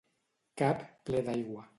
Cap ple d'aigua.